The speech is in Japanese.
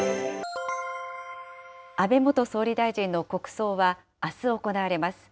安倍元総理大臣の国葬はあす行われます。